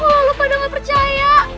wah lu pada gak percaya